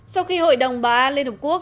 sau khi hội đồng ba a liên hợp quốc